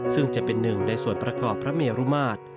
ซึ่งจะเป็นหนึ่งในส่วนประกอบพระเมรุมาตร